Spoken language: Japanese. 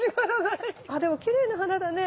あでもきれいな花だね。